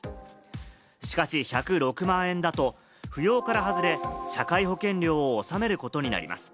しかし１０６万円だと、扶養から外れ、社会保険料を納めることになります。